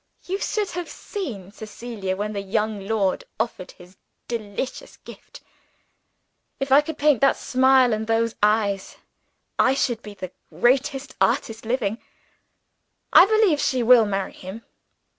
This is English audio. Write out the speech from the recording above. You should have seen Cecilia, when the young lord offered his delicious gift. If I could paint that smile and those eyes, I should be the greatest artist living. I believe she will marry him.